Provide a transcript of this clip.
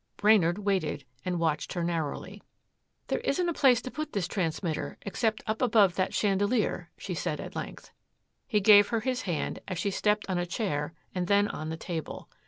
Brainard waited and watched her narrowly. "There isn't a place to put this transmitter except up above that chandelier," she said at length. He gave her his hand as she stepped on a chair and then on the table.